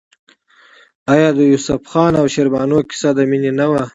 آیا د یوسف خان او شیربانو کیسه د مینې نه ده؟